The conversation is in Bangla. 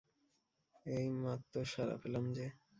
এই মাত্তর সাড়া পেলাম যে?